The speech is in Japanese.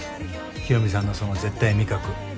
清美さんのその絶対味覚。